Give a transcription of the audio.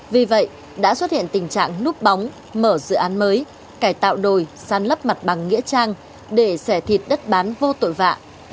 vì vậy đã xuất hiện tình trạng núp bóng mở dự án mới cải tạo đồi săn lấp mặt bằng nghĩa trang để xẻ thịt đất bán vô tội vạ